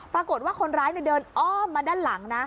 ปรากฏว่าคนร้ายเดินอ้อมมาด้านหลังนะ